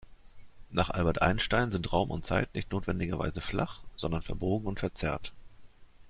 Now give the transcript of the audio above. Nach Albert Einstein sind Raum und Zeit nicht notwendigerweise flach, sondern verbogen und verzerrt.